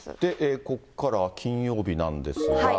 ここからは金曜日なんですが。